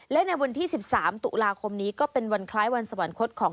และในวันที่๑๓ตุลาคมนี้ก็เป็นวันคล้ายวันสวรรคตของ